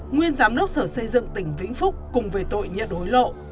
nguyên giám đốc sở xây dựng tỉnh vĩnh phúc cùng về tội như đối lộ